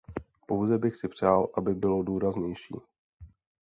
Pouze bych si přál, aby bylo důraznější.